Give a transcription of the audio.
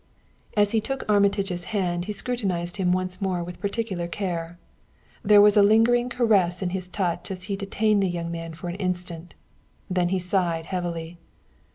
As he took Armitage's hand he scrutinized him once more with particular care; there was a lingering caress in his touch as he detained the young man for an instant; then he sighed heavily.